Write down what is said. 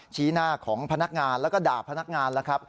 ชี้หน้าของพนักงานแล้วก็ด่าพนักงานแล้วครับ